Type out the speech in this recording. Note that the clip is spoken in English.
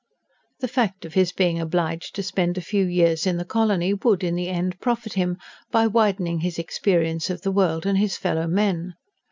The fact of his being obliged to spend a few years in the colony would, in the end, profit him, by widening his experience of the world and his fellow men.